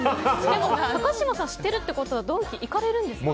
高嶋さん、知ってるってことはドンキ行かれるんですか？